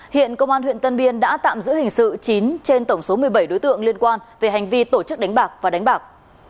hiện công an huyện tân biên đã tạm giữ hình sự chín trên tổng số một mươi bảy đối tượng liên quan về hành vi tổ chức đánh bạc và đánh bạc